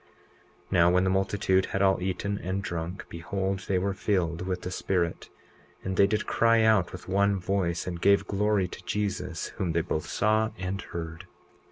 20:9 Now, when the multitude had all eaten and drunk, behold, they were filled with the Spirit; and they did cry out with one voice, and gave glory to Jesus, whom they both saw and heard.